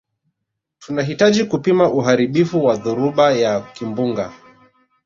tunahitaji kupima uharibifu wa dhoruba ya kimbunga